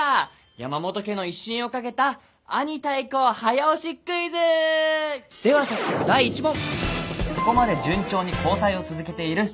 山本家の威信を懸けた兄対抗早押しクイズ！では早速第１問。